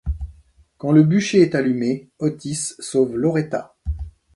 Quand le bucher est allumé Otis sauve Loretta.